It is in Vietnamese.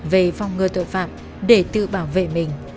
về phong ngơ tội phạm để tự bảo vệ mình